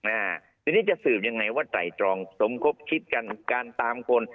อานี้จะสืบอย่างไรว่าใจจรองสมคบคิดกันการตามคน